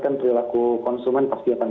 perilaku konsumen pasti akan